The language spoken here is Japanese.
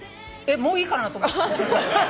もういいかなと思って。